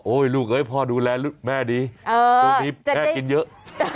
โอ้ยลูกพ่อดูแลแม่ดีตรงนี้แม่กินเยอะ